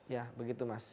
ya begitu mas